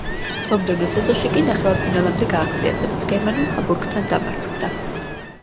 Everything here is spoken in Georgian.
მომდევნო სეზონში კი ნახევარფინალამდე გააღწია, სადაც გერმანულ „ჰამბურგთან“ დამარცხდა.